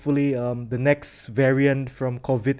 variasi seterusnya dari covid